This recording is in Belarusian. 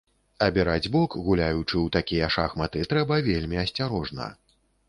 Абіраць бок, гуляючы ў такія шахматы, трэба вельмі асцярожна.